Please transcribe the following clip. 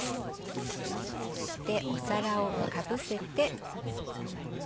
そして皿をかぶせて。